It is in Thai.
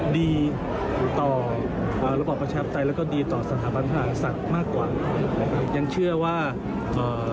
ดีต่อระบบประชาปไตรแล้วก็ดีต่อสถาบันธุรกิจศักดิ์มากกว่ายังเชื่อว่าเอ่อ